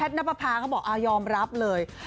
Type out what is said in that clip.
แพทน์นับภาพเขาบอกอ่ายอมรับเลย